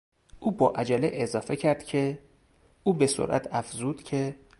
او با عجله اضافه کرد که...، او به سرعت افزود که...